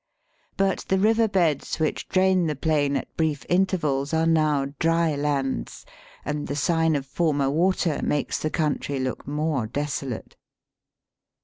But the river beds which drain the plain at brief intervals are now dry lands, and the sign of former water makes the country look more desolate.